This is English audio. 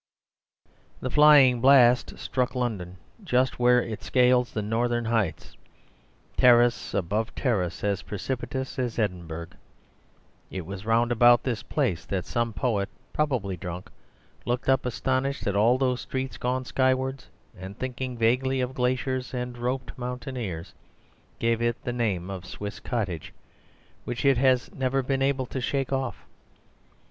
The flying blast struck London just where it scales the northern heights, terrace above terrace, as precipitous as Edinburgh. It was round about this place that some poet, probably drunk, looked up astonished at all those streets gone skywards, and (thinking vaguely of glaciers and roped mountaineers) gave it the name of Swiss Cottage, which it has never been able to shake off.